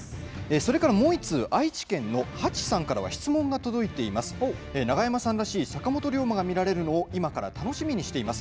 それからもう１通愛知県の方からは質問が届いています。